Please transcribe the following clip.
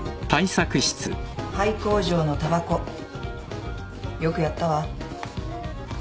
廃工場のたばこよくやったわ。